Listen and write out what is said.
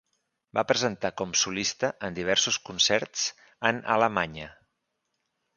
Va presentar com solista en diversos concerts en Alemanya.